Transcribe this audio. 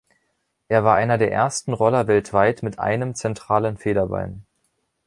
Er war einer der ersten Roller weltweit mit einem zentralen Federbein.